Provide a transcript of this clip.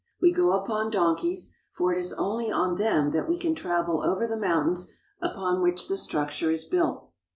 We go upon donkeys, for it is only on them that we can travel over the mountains upon which the structure is built.